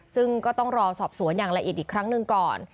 ซึ่งก็ต้องรอสอบสวนอย่างละเอียดอีกครั้งหนึ่งก่อน